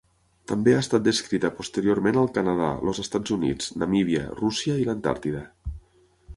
També ha estat descrita posteriorment al Canadà, els Estats Units, Namíbia, Rússia i l'Antàrtida.